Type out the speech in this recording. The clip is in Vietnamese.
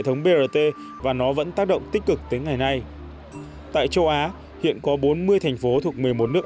hệ thống brt và nó vẫn tác động tích cực tới ngày nay tại châu á hiện có bốn mươi thành phố thuộc một mươi một nước